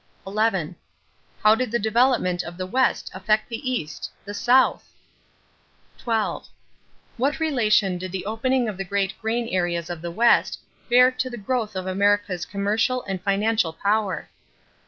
11. How did the development of the West affect the East? The South? 12. What relation did the opening of the great grain areas of the West bear to the growth of America's commercial and financial power?